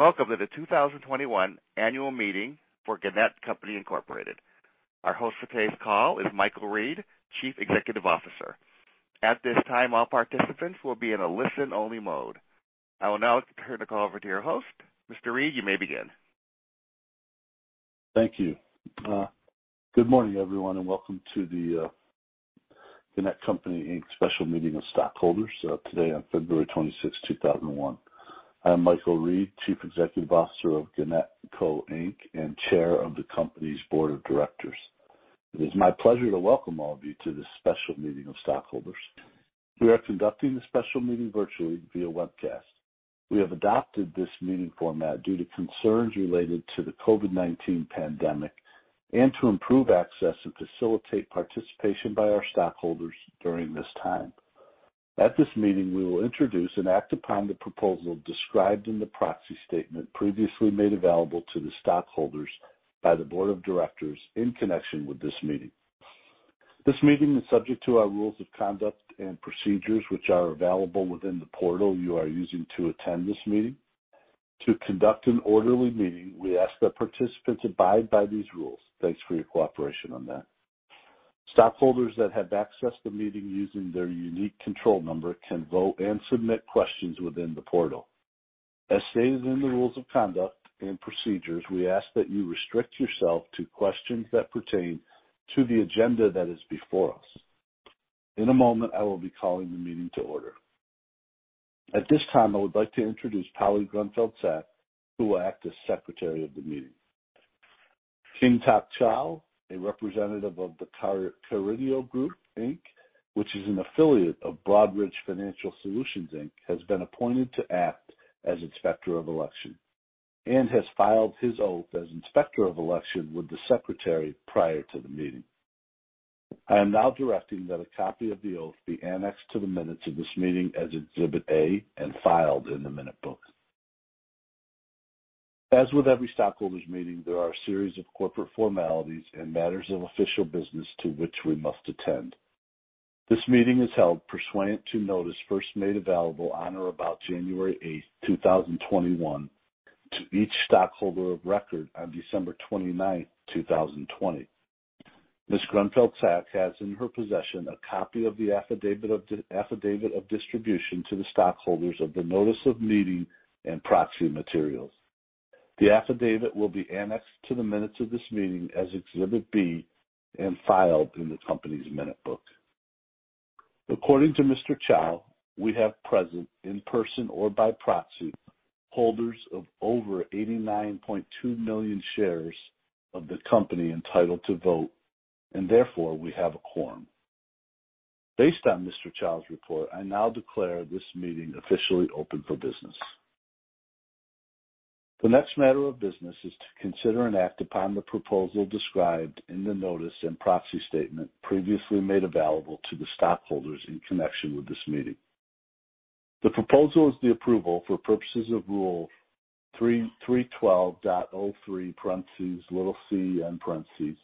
Welcome to the 2021 annual meeting for Gannett Co., Inc. Our host for today's call is Michael Reed, Chief Executive Officer. At this time, all participants will be in a listen-only mode. I will now turn the call over to your host. Mr. Reed, you may begin. Thank you. Good morning, everyone, and welcome to the Gannett Co., Inc. special meeting of stockholders today on February 26, 2021. I am Michael Reed, Chief Executive Officer of Gannett Co., Inc., and Chair of the company's board of directors. It is my pleasure to welcome all of you to this special meeting of stockholders. We are conducting the special meeting virtually via webcast. We have adopted this meeting format due to concerns related to the COVID-19 pandemic and to improve access and facilitate participation by our stockholders during this time. At this meeting, we will introduce and act upon the proposal described in the proxy statement previously made available to the stockholders by the board of directors in connection with this meeting. This meeting is subject to our rules of conduct and procedures, which are available within the portal you are using to attend this meeting. To conduct an orderly meeting, we ask that participants abide by these rules. Thanks for your cooperation on that. Stockholders that have accessed the meeting using their unique control number can vote and submit questions within the portal. As stated in the rules of conduct and procedures, we ask that you restrict yourself to questions that pertain to the agenda that is before us. In a moment, I will be calling the meeting to order. At this time, I would like to introduce Polly Grunfeld Sack, who will act as Secretary of the meeting. King Tak Chow, a representative of The Carideo Group, Inc., which is an affiliate of Broadridge Financial Solutions, Inc., has been appointed to act as Inspector of Election and has filed his oath as Inspector of Election with the secretary prior to the meeting. I am now directing that a copy of the oath be annexed to the minutes of this meeting as Exhibit A and filed in the minute book. As with every stockholders' meeting, there are a series of corporate formalities and matters of official business to which we must attend. This meeting is held pursuant to notice first made available on or about January 8th, 2021, to each stockholder of record on December 29th, 2020. Ms. Grunfeld Sack has in her possession a copy of the affidavit of distribution to the stockholders of the notice of meeting and proxy materials. The affidavit will be annexed to the minutes of this meeting as Exhibit B and filed in the company's minute book. According to Mr. Chow, we have present, in person or by proxy, holders of over 89.2 million shares of the company entitled to vote, and therefore, we have a quorum. Based on Mr. Chow's report, I now declare this meeting officially open for business. The next matter of business is to consider and act upon the proposal described in the notice and proxy statement previously made available to the stockholders in connection with this meeting. The proposal is the approval for purposes of Rule 312.03(c)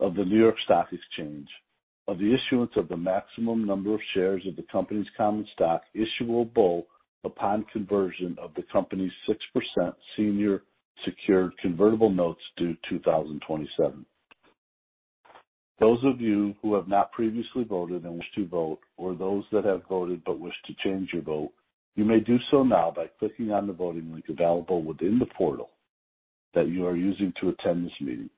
of the New York Stock Exchange of the issuance of the maximum number of shares of the company's common stock issuable upon conversion of the company's 6% senior secured convertible notes due 2027. Those of you who have not previously voted and wish to vote or those that have voted but wish to change your vote, you may do so now by clicking on the voting link available within the portal that you are using to attend this meeting.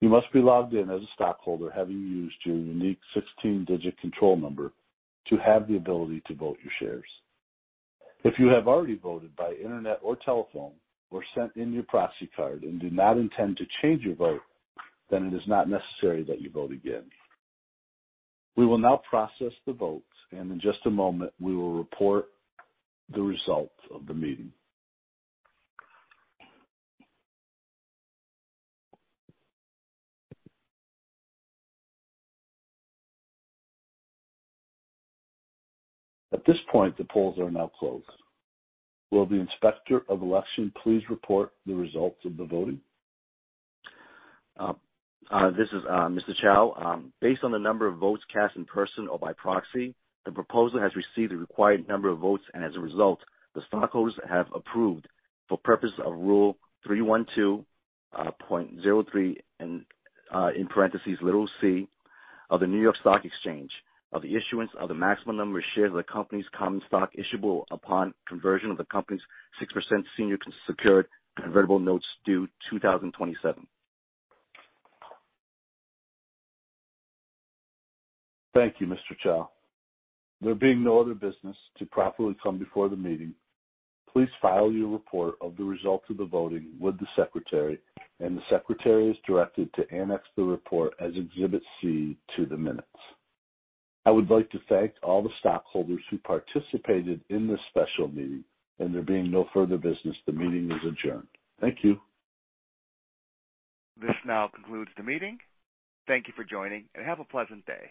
You must be logged in as a stockholder, having used your unique 16-digit control number to have the ability to vote your shares. If you have already voted by internet or telephone or sent in your proxy card and do not intend to change your vote, it is not necessary that you vote again. We will now process the votes. In just a moment, we will report the results of the meeting. At this point, the polls are now closed. Will the Inspector of Election please report the results of the voting? This is Mr. Chow. Based on the number of votes cast in person or by proxy, the proposal has received the required number of votes. As a result, the stockholders have approved for purpose of Rule 312.03(c) of the New York Stock Exchange of the issuance of the maximum number of shares of the company's common stock issuable upon conversion of the company's 6% senior secured convertible notes due 2027. Thank you, Mr. Chow. There being no other business to properly come before the meeting, please file your report of the results of the voting with the secretary and the secretary is directed to annex the report as Exhibit C to the minutes. I would like to thank all the stockholders who participated in this special meeting. There being no further business, the meeting is adjourned. Thank you. This now concludes the meeting. Thank you for joining, and have a pleasant day.